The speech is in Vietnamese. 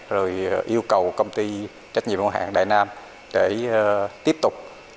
rồi yêu cầu công ty trách nhiệm hồ hạng đại nam để tiếp tục